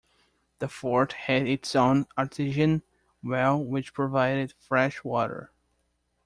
The fort has its own artesian well which provided fresh water.